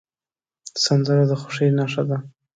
سندره د خوښۍ نښه ده